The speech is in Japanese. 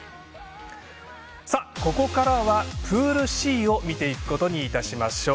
ここからはプールＣを見ていくことにいたしましょう。